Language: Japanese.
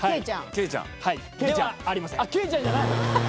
ケイちゃんじゃない。